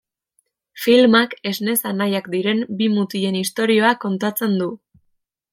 Filmak esnez anaiak diren bi mutilen istorioa kontatzen du.